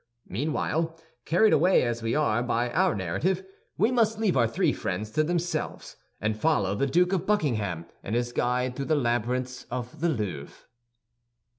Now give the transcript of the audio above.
Meanwhile, carried away as we are by our narrative, we must leave our three friends to themselves, and follow the Duke of Buckingham and his guide through the labyrinths of the Louvre.